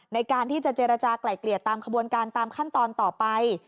ในการที่จะเจรจากลายเกลี่ยตามขบวนการตามขั้นตอนต่อไป